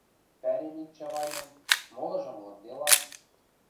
Пӓлем ик Чавайным, молыжым лыдделам.